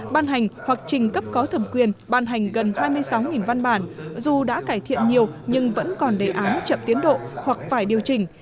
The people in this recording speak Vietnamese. ban hành hoặc trình cấp có thẩm quyền ban hành gần hai mươi sáu văn bản dù đã cải thiện nhiều nhưng vẫn còn đề án chậm tiến độ hoặc phải điều chỉnh